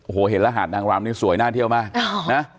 โอ้โหเห็นรหาดนางรำนี่สวยน่าเที่ยวมากนะ